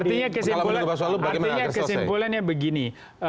artinya kesimpulannya begini